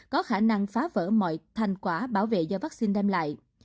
có khả năng phá vỡ mọi thành quả bảo vệ do vắc xin đem lại